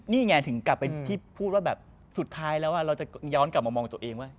นี่ไงถึงกลับเป็นที่พูดว่าแบบสุดท้ายแล้วเราจะย้อนกลับมามองตัวเองว่า